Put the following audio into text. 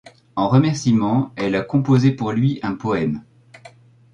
En remerciement, elle a composé pour lui un poème.